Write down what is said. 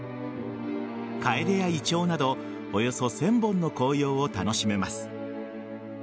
カエデやイチョウなどおよそ１０００本の紅葉を楽しめます。